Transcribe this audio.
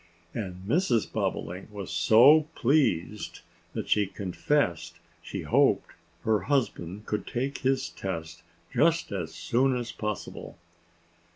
And Mrs. Bobolink was so pleased that she confessed she hoped her husband could take his test just as soon as possible.